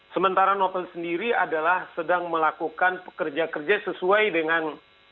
sementara novel sendiri adalah sedang melakukan pekerja kerja sesuai dengan